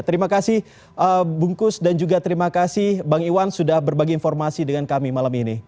terima kasih bungkus dan juga terima kasih bang iwan sudah berbagi informasi dengan kami malam ini